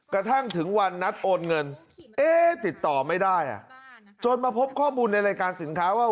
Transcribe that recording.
กระทั่งถึงวันนัดโอนเงินเอ๊ะติดต่อไม่ได้จนมาพบข้อมูลในรายการสินค้าว่า